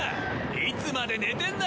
いつまで寝てんだ！